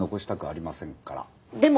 でも。